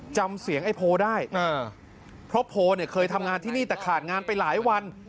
จำเสียงไอ้โพลได้เพราะโพลเนี่ยเคยทำงานที่นี่แต่ขาดงานไปหลายวัน